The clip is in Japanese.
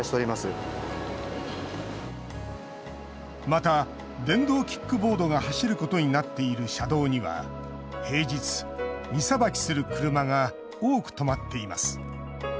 また電動キックボードが走ることになっている車道には平日荷さばきする車が多く止まっています。